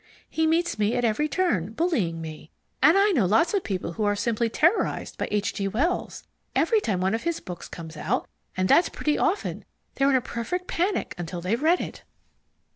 He meets me at every turn, bullying me. And I know lots of people who are simply terrorized by H. G. Wells. Every time one of his books comes out, and that's pretty often, they're in a perfect panic until they've read it."